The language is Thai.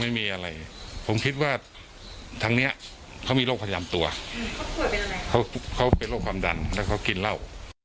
ไม่มีอะไรผมคิดว่าทางเนี้ยเขามีโรคพยามตัวเขาเป็นอะไรเขาเขาเป็นโรคความดันแล้วเขากินเหล้า